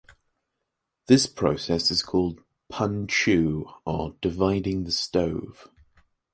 This process is called "pun chu" or dividing the stove.